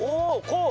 こう？